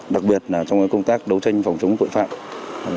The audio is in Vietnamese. đặc biệt là trong công tác đấu tranh phòng chống tội phạm